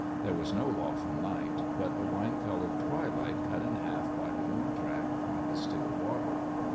There was no lawful night, but a wine coloured twilight cut in half by the moon track on the still water.